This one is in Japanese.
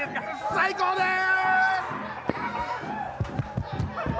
最高でーす。